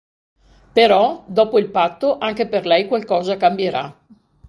Però, dopo il patto anche per lei qualcosa cambierà.